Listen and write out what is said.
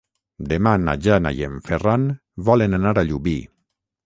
Demà na Jana i en Ferran volen anar a Llubí.